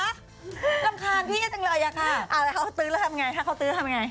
รำคาญพี่จังเลยอะค่ะค่ะเอ้าแล้วเขาตื้อแล้วทำไง